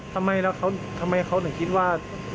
ครับก็ต้องวิ่งเลย